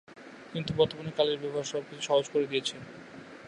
কিন্তু বর্তমানে কালির ব্যবহার সব কিছু সহজ করে দিয়েছে।